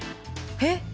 えっ？